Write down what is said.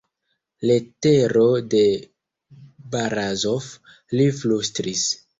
Letero de Barazof, li flustris.